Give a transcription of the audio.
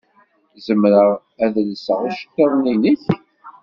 Zemreɣ ad lseɣ iceḍḍiḍen-nnek?